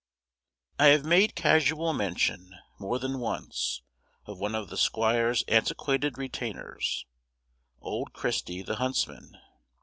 I have made casual mention, more than once, of one of the squire's antiquated retainers, old Christy the huntsman.